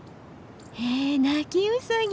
えナキウサギ！？